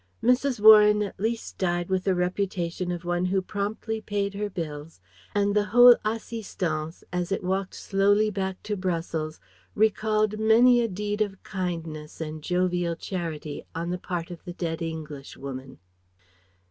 Mrs. Warren at least died with the reputation of one who promptly paid her bills; and the whole assistance, as it walked slowly back to Brussels, recalled many a deed of kindness and jovial charity on the part of the dead Englishwoman.